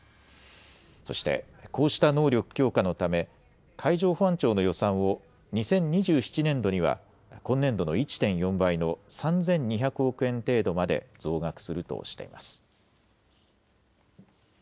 そして、こうした能力強化のため海上保安庁の予算を２０２７年度には今年度の１．４倍の３２００億円程度まで増額するとしています。